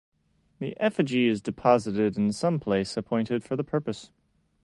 The effigy is deposited in some place appointed for the purpose.